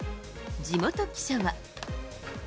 地元記者は。